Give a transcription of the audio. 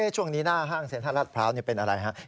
ช่วงนี้หน้าห้างเซ็นทรัลพร้าวเป็นอะไรครับ